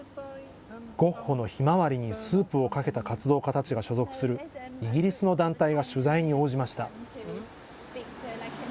ゴッホのひまわりにスープをかけた活動家たちが所属するイギリスの団体が取材に応じました。